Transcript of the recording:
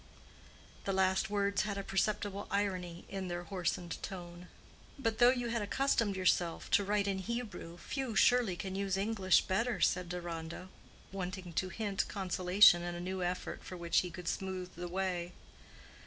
The last words had a perceptible irony in their hoarsened tone. "But though you had accustomed yourself to write in Hebrew, few, surely, can use English better," said Deronda, wanting to hint consolation in a new effort for which he could smooth the way.